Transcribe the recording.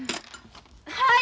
はい！